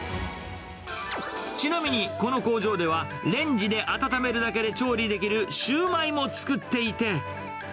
ちなみにこの工場では、レンジで温めるだけで調理できるシュウマイも作っていて。